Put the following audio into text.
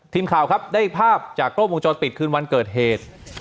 ทีมข่าวครับได้ภาพจากกล้องวงจรปิดคืนวันเกิดเหตุ